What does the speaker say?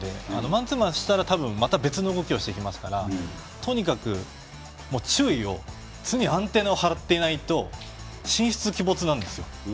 マンツーマンしたらまた別の動きをしてきますから常にアンテナを張っていないと神出鬼没なんです。